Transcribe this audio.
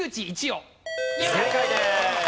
正解です。